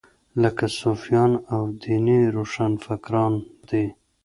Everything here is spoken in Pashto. لکه صوفیان او دیني روښانفکران دي.